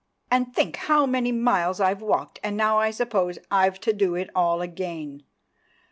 "and think how many miles I've walked, and now I suppose I've to do it all again.